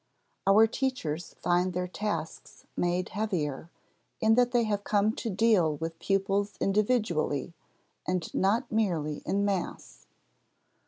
Our teachers find their tasks made heavier in that they have come to deal with pupils individually and not merely in mass.